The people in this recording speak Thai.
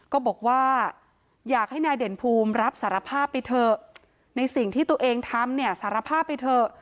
ก็บอกว่าอยากให้นายเด่นภูมิรับสารภาพไปเถอะในสิ่งที่ตัวเองทำเนี่ยสารภาพไปเถอะ